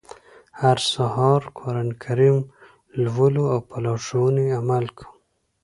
هر سهار قرآن کریم لولو او په لارښوونو يې عمل کوو.